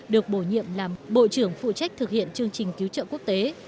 được bổ nhiệm làm bộ trưởng phụ trách thực hiện chương trình cứu trợ quốc tế